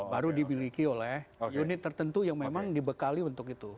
baru dimiliki oleh unit tertentu yang memang dibekali untuk itu